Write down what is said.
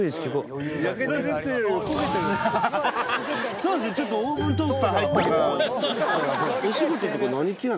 そうですよねちょっとオーブントースター入った。